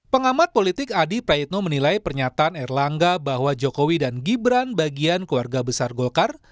pengamat politik adi praitno menilai pernyataan erlangga bahwa jokowi dan gibran bagian keluarga besar golkar